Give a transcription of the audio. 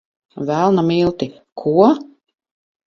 Velna milti! Ko?